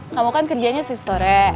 kamu kan kerjanya sih besore